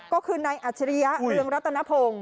ก็คือนายอัจฉริยะบริงรัฐนภง